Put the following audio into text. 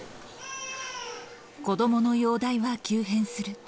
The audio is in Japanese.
子どもの容体は急変する。